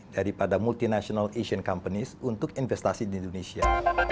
daripada multinational asian companies untuk investasi di indonesia